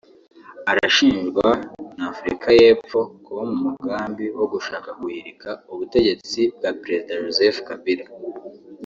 arashinjwa na Afurika y’Epfo kuba mu mugambi wo gushaka guhirika ubutegetsi bwa Perezida Joseph Kabila